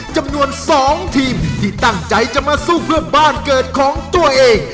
จำนวน๒ทีมที่ตั้งใจจะมาสู้เพื่อบ้านเกิดของตัวเอง